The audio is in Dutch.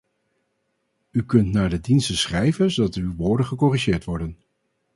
U kunt naar de diensten schrijven zodat uw woorden gecorrigeerd worden.